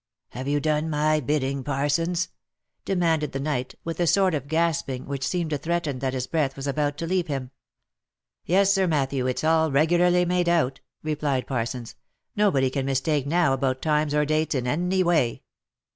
" Have you done my bidding, Parsons ?" demanded the knight, with a sort of gasping which seemed to threaten that his breath was about to leave him. " Yes, Sir Matthew, it's all regularly made out," replied Parsons, " nobody can mistake now about times or dates in any way."